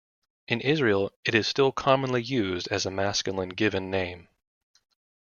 In Israel, it is still commonly used as a masculine given name.